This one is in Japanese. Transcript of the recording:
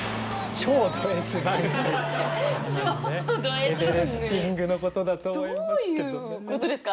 エベレスティングのことだと思いますけど。